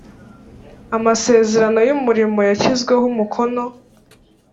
Amasezerano y umurimo yashyizweho umukono